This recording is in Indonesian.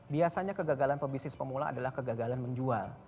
biasanya kegagalan pebisnis pemula adalah kegagalan menjual